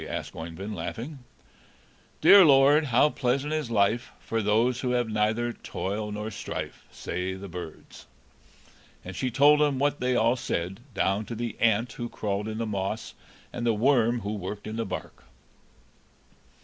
asked Oeyvind, laughing. "'Dear Lord, how pleasant is life, For those who have neither toil nor strife,' say the birds." And she told him what they all said, down to the ant who crawled in the moss, and the worm who worked in the bark.